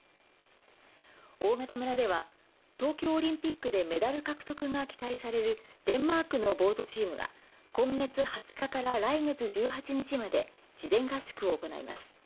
大潟村では東京オリンピックでメダル獲得が期待されるデンマークのボートチームが今月２０日から来月１８日まで事前合宿を行います。